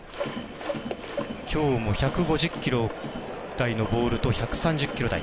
きょうも１５０キロ台のボールと１３０キロ台。